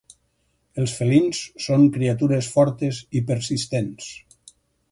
Els felins són criatures fortes i persistents.